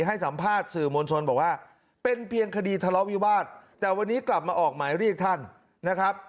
ให้สัมภาษณ์สื่อมวลชนบอกว่าเป็นเพียงคดีทะเลาะวิวาสแต่วันนี้กลับมาออกหมายเรียกท่านนะครับ